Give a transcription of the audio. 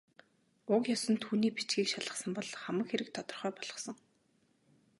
Уг ёс нь түүний бичгийг шалгасан бол хамаг хэрэг тодорхой болохсон.